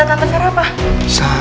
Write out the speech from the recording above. tante tante tante apa